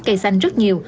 cây xanh rất nhiều